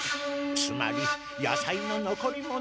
つまり野菜ののこり物。